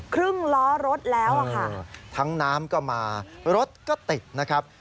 ครึ่งล้อรถแล้วอ่ะค่ะทั้งน้ำก็มารถก็ติดนะครับ